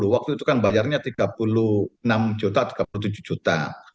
waktu itu kan bayarnya tiga puluh enam juta tiga puluh tujuh juta